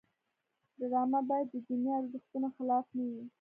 ډرامه باید د دیني ارزښتونو خلاف نه وي